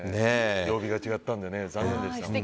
曜日が違ったんで残念でした。